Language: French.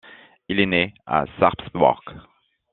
Il est né à Sarpsborg.